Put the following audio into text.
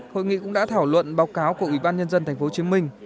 hội nghị cũng đã thảo luận báo cáo của ủy ban nhân dân tp hcm